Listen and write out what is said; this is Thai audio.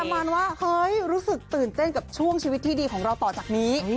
ประมาณว่าเฮ้ยรู้สึกตื่นเต้นกับช่วงชีวิตที่ดีของเราต่อจากนี้